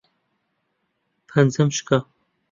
پەنجەم شکا.